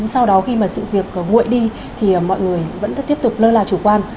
sau đó khi mà sự việc nguội đi thì mọi người vẫn tiếp tục lơ là chủ quan